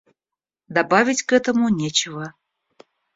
Добавить к этому нечего.